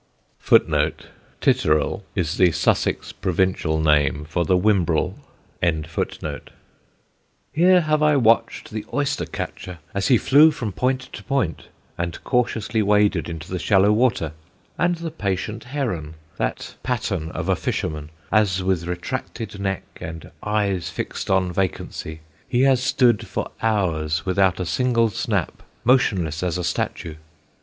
[Sidenote: PAGHAM'S LOST GLORIES] "Here have I watched the oyster catcher, as he flew from point to point, and cautiously waded into the shallow water; and the patient heron, that pattern of a fisherman, as with retracted neck, and eyes fixed on vacancy, he has stood for hours without a single snap, motionless as a statue.